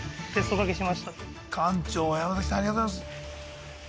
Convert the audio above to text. おかけしました館長山崎さんありがとうございます